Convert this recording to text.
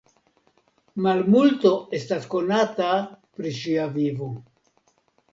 Malmulto estas konata pri ŝia vivo.